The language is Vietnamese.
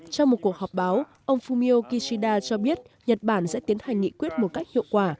trong một cuộc họp báo ông fumio kishida cho biết nhật bản sẽ tiến hành nghị quyết một cách hiệu quả